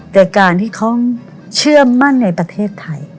แต่การที่เขาเชื่อมั่นในประเทศไทย